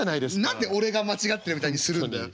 何で俺が間違ってるみたいにするんだよ。